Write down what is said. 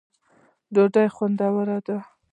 ډوډۍ خوندوره ده.